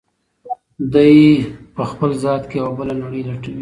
دی په خپل ذات کې یوه بله نړۍ لټوي.